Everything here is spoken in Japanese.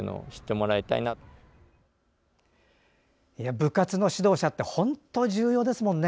部活の指導者って本当に重要ですもんね。